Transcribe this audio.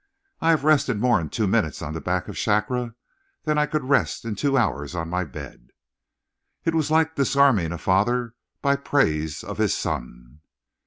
"I have rested more in two minutes on the back of Shakra than I could rest in two hours on my bed." It was like disarming a father by praise of his son.